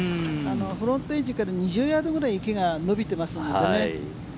フロントエッジから２０ヤードぐらい池が延びていますのでね。